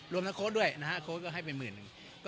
รวมกับโครด้วยนะฮะก็มีคนนี้มาละ๑คนนึง